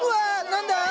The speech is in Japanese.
何だ⁉